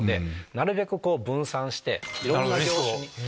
なるべく分散していろんな業種に。